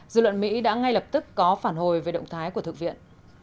dư luận mỹ đã ngay lập tức có phản hồi về động thái của thượng viện